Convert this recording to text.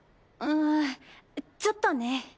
んちょっとね。